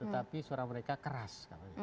tetapi suara mereka keras